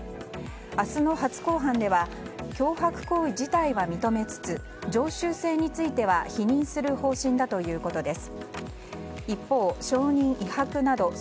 明日の初公判では脅迫行為自体は認めつつ常習性については否認する方針だということです。